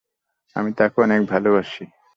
আমি তাকে অনেক ভালোবাসি।